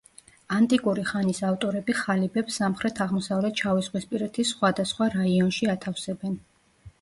ანტიკური ხანის ავტორები ხალიბებს სამხრეთ-აღმოსავლეთ შავიზღვისპირეთის სხვადასხვა რაიონში ათავსებენ.